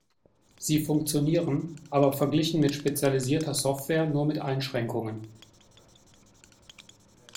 Sie funktionieren aber verglichen mit spezialisierter Software nur mit Einschränkungen.